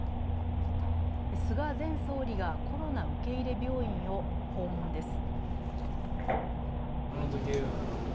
菅前総理がコロナ受け入れ病院を訪問です。